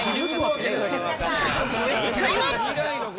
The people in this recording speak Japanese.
正解は。